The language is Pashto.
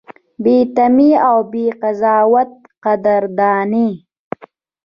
بې تمې او بې قضاوته قدرداني: